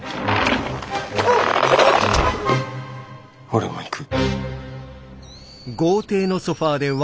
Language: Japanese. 俺も行く。